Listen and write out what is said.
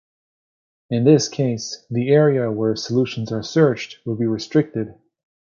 In this case, the area where solutions are searched would be restricted.